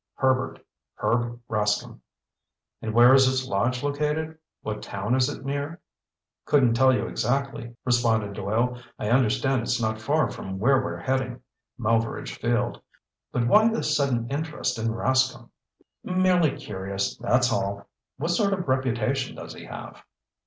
"Herbert. Herb Rascomb." "And where is his lodge located? What town is it near?" "Couldn't tell you exactly," responded Doyle. "I understand it's not far from where we're heading—Melveredge Field. But why this sudden interest in Rascomb?" "Merely curious, that's all. What sort of reputation does he have?"